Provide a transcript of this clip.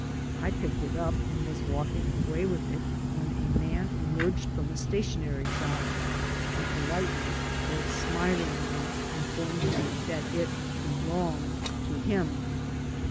I picked it up and was walking away with it when a man emerged from a stationoy shop and politdy, thou^ smilingly , informed me that it bdonged to him.